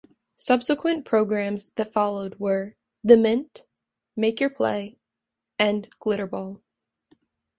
Subsequent programmes that followed were "The Mint", "Make Your Play" and "Glitterball".